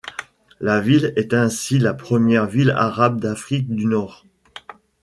La ville est ainsi la première ville arabe d'Afrique du Nord.